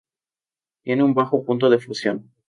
Tiene un bajo punto de fusión.